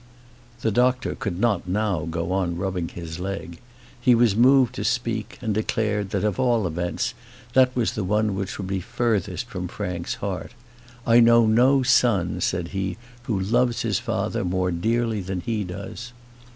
The doctor could not now go on rubbing his leg. He was moved to speak, and declared that, of all events, that was the one which would be furthest from Frank's heart. "I know no son," said he, "who loves his father more dearly than he does."